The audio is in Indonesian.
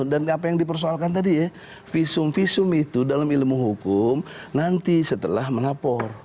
dan apa yang dipersoalkan tadi ya visum visum itu dalam ilmu hukum nanti setelah melapor